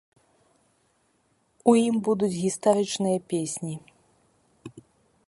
У ім будуць гістарычныя песні.